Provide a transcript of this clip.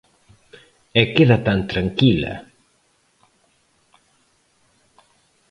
¡E queda tan tranquila!